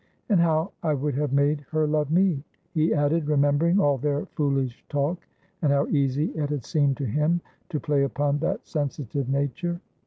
And how I would have made her love me,' he added, remembering all their foolish talk, and how easy it had seemed to him to play upon that sensitive nature.